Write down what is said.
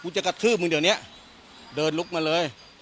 จักทื้มงเดี่านี้เดินลุกมาเลย